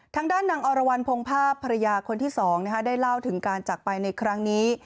ทางด้านนางอรวรรณพงภาพภรรยาคนที่๒ได้เล่าถึงการจักรไปในครั้งนี้